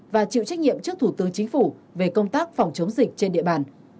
và chịu trách nhiệm trước thủ tướng chính phủ về công tác phòng chống dịch trên địa bàn